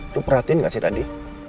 itu perhatiin gak sih tadi